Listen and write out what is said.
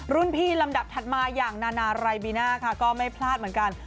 พี่ลำดับถัดมาอย่างนานารายบีน่าค่ะก็ไม่พลาดเหมือนกัน